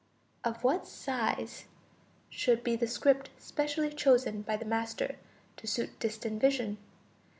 Of what size should be the script specially chosen by the master to suit distant vision?